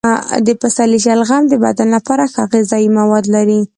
د پسرلي شلغم د بدن لپاره ښه غذايي مواد لري.